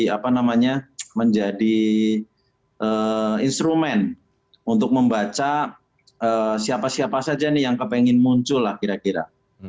apa namanya menjadi instrumen untuk membaca siapa siapa saja nih yang kepengen muncul lah kira kira